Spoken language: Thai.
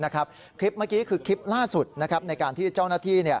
คลิปเมื่อกี้คือคลิปล่าสุดในการที่เจ้าหน้าที่